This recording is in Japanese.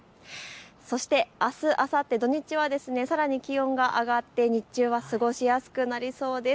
そしてあす、あさって土日はさらに気温が上がって日中は過ごしやすくなりそうです。